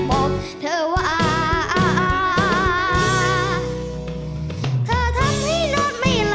เพราะไม่ได้อยู่ใกล้